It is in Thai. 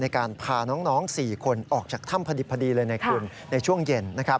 ในการพาน้องสี่คนออกจากถ้ำพอดีเลยในช่วงเย็น